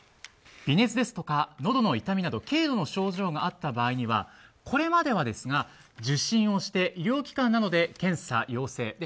微熱やのどの痛みなど軽度の症状があった場合にはこれまではですが受診をして医療機関などで検査で陽性。